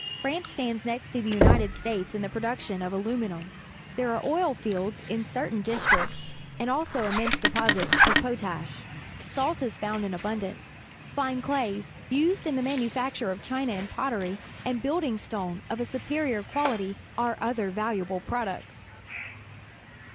France stands next to the United States in the production of aluminiu m. There are oil fields in certain districts and also immense deposits o f potas h. Salt is found in abun dance Fine clays, used in the manufacture of china and pottery, and building stone of a superior quahty are other valuable products.